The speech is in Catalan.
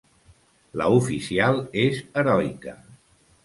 La oficial es heroica.